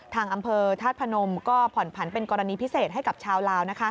ทางอำเภอธาตุพนมก็ผ่อนผันเป็นกรณีพิเศษให้กับชาวลาว